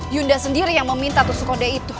yunda sendiri yang meminta tusuk kode itu